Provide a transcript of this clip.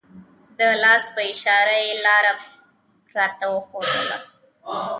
د لاس په اشاره یې لاره راته وښودله.